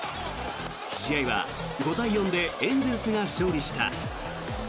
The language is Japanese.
試合は５対４でエンゼルスが勝利した。